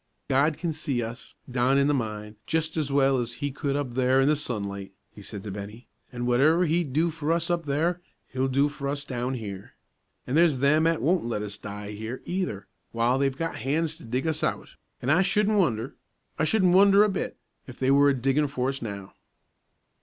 "God can see us, down in the mine, just as well as He could up there in the sunlight," he said to Bennie, "an' whatever He'd do for us up there He'll do for us down here. An' there's them 'at won't let us die here, either, w'ile they've got hands to dig us out; an' I shouldn't wonder I shouldn't wonder a bit if they were a diggin' for us now."